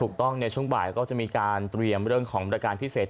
ถูกต้องในช่วงบ่ายก็จะมีการเตรียมเรื่องของบริการพิเศษ